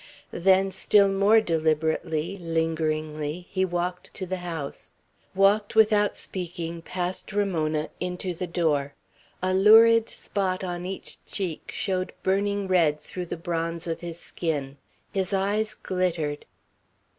Then still more deliberately, lingeringly, he walked to the house; walked, without speaking, past Ramona, into the door. A lurid spot on each cheek showed burning red through the bronze of his skin. His eyes glittered.